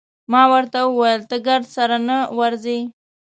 ما ورته وویل: ته ګرد سره نه ورځې؟